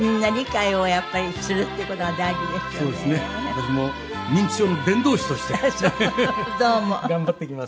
私も認知症の伝道師として頑張っていきます。